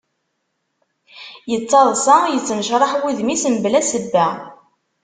Yettaḍsa, yettnecraḥ wudem-is mebla sebba.